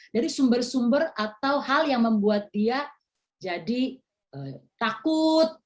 dari sumber sumber atau hal yang membuat dia jadi takut